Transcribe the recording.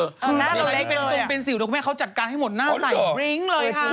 หน้าเราเล็กเป็นสูงเป็นสีหูแล้วคุณแม่เขาจัดการให้หมดหน้าใส่บริ้งเลยค่ะ